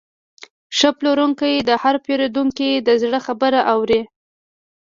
ښه پلورونکی د هر پیرودونکي د زړه خبره اوري.